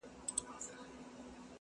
د باندي الوزي د ژمي ساړه توند بادونه-